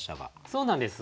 そうなんです。